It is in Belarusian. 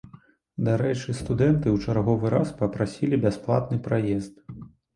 Дарэчы, студэнты ў чарговы раз папрасілі бясплатны праезд.